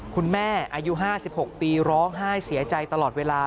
คุณแม่อายุ๕๖ปีร้องไห้เสียใจตลอดเวลา